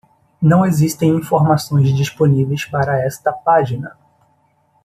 Não existem informações disponíveis para esta página.